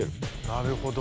なるほど。